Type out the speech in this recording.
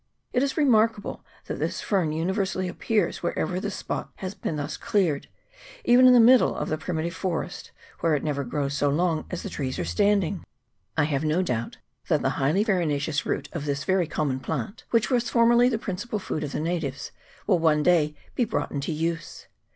It is remarkable that this fern universally appears wherever a spot has been thus cleared, even in the middle of the primitive forest, where it never grows so long as the trees are standing. I have no doubt that the highly farinaceous root of this very com mon plant, which was formerly the principal food CHAP. XXVII.] EXTENSIVE PROSPECT. 401 of the natives, will one day be brought into use.